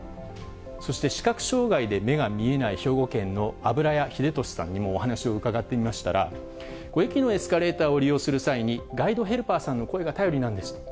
そして視覚障がいで目が見えない兵庫県の油谷英俊さんにもお話を伺ってみましたら、駅のエスカレーターを利用する際に、ガイドヘルパーさんの声が頼りなんです。